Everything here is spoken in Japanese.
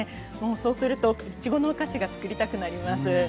もうそうするといちごのお菓子がつくりたくなります。